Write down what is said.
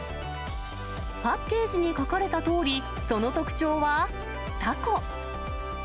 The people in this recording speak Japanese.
パッケージに描かれたとおり、その特徴は、たこ。